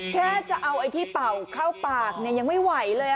แค่จะเอาไอ้ที่เป่าเข้าปากยังไม่ไหวเลย